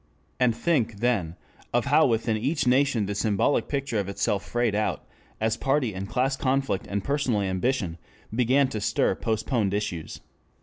And think then of how within each nation the symbolic picture of itself frayed out, as party and class conflict and personal ambition began to stir postponed issues.